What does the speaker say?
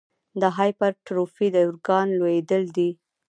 د هایپرټروفي د ارګان لویېدل دي.